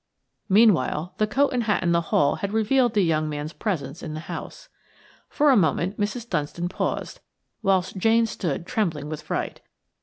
Meanwhile the coat and hat in the hall had revealed the young man's presence in the house. For a moment Mrs. Dunstan paused, whilst Jane stood by trembling with fright.